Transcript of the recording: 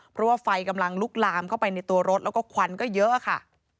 เพราะว่าไฟกำลังลุกลามเข้าไปในตัวรถแล้วก็ควันก็เยอะค่ะ